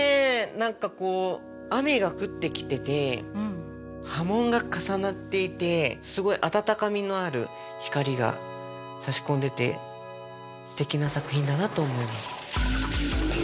何かこう雨が降ってきてて波紋が重なっていてすごいあたたかみのある光がさし込んでてすてきな作品だなと思います。